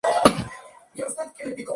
Otra de sus pasiones fue el tango.